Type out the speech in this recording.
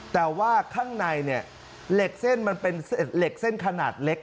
แต่ว่าข้างในเนี่ยเหล็กเส้นมันเป็นเหล็กเส้นขนาดเล็ก